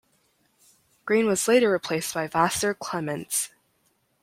Greene was later replaced by Vassar Clements.